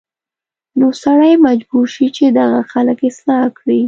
نو سړی مجبور شي چې دغه خلک اصلاح کړي